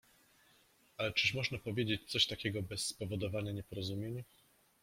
Ale czyż można powiedzieć coś takiego bez spowodowania nieporozumień?